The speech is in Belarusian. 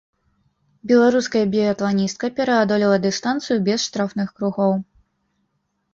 Беларуская біятланістка пераадолела дыстанцыю без штрафных кругоў.